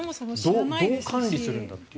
どう管理するんだという。